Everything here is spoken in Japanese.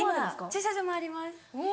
駐車場もあります。